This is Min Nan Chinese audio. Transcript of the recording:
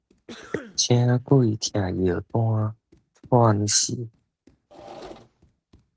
請鬼拆藥單，揣死